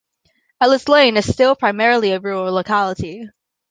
Ellis Lane is still primarily a rural locality.